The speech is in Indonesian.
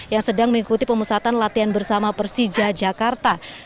yang sedang mengikuti pemusatan latihan bersama persija jakarta